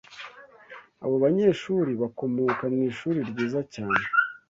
Abo banyeshuri bakomoka mwishuri ryiza cyane.